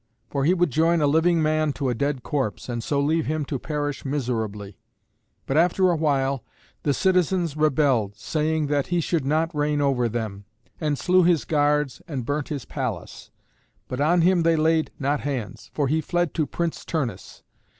For he would join a living man to a dead corpse, and so leave him to perish miserably. But after awhile the citizens rebelled, saying that he should not reign over them, and slew his guards and burnt his palace. But on him they laid not hands, for he fled to Prince Turnus.